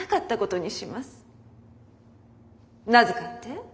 なぜかって？